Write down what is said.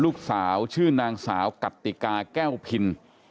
ลูกสาวชื่อนางสาวกติกาแก้วพิน